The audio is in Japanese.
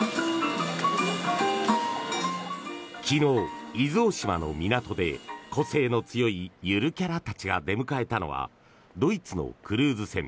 昨日、伊豆大島の港で個性の強いゆるキャラたちが出迎えたのはドイツのクルーズ船